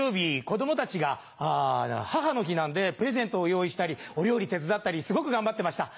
子供たちが母の日なんでプレゼントを用意したりお料理手伝ったりすごく頑張ってました。